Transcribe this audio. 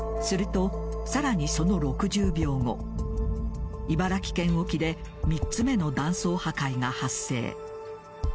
すると、更にその６０秒後茨城県沖で３つ目の断層破壊が発生。